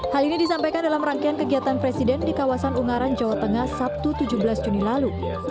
hal ini disampaikan dalam rangkaian kegiatan presiden di kawasan ungaran jawa tengah sabtu tujuh belas juni lalu